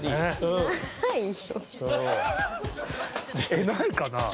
えっないかな？